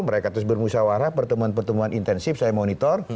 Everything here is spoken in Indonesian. mereka terus bermusyawarah pertemuan pertemuan intensif saya monitor